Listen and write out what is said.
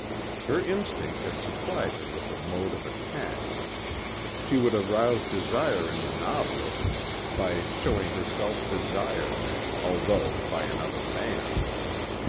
Her instinct had supplied her with a mode of attack. She would arouse desire in the novelist by showing herself desired although by another man.